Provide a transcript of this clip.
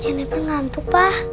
jennifer ngantuk pak